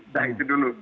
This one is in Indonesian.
dah itu dulu